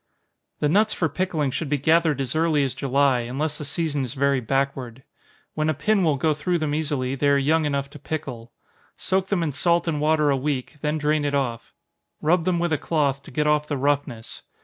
_ The nuts for pickling should be gathered as early as July, unless the season is very backward. When a pin will go through them easily, they are young enough to pickle. Soak them in salt and water a week then drain it off. Rub them with a cloth, to get off the roughness.